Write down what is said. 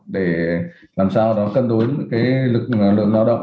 để làm sao đó cân đối lực lượng lao động